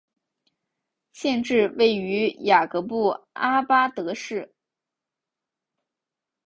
县治位于雅各布阿巴德市。